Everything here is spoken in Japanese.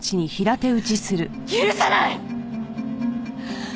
許さない！